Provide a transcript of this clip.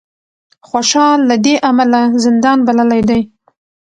خوشال له دې امله زندان بللی دی